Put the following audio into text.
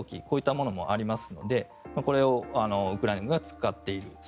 こういったものもありますのでこれをウクライナが使っている。